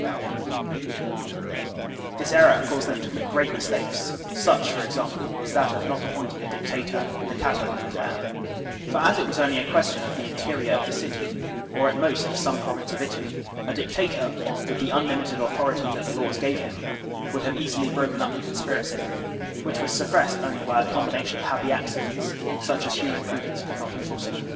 THE DICTATORSHIP 113 This error caused them to commit great mistakes; such, for example, was that of not appointing a dictator in the Catiline aflEair; for as it was only a question of the in terior of the city, or at most of some province of Italy, a dictator, with the unlimited authority that the laws gave him, would have easily broken up the conspiracy, which was suppressed only by a combination of happy accidents such as human prudence could not have fore seen.